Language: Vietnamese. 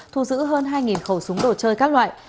thu giữ hơn hai khẩu súng đồ chơi các loại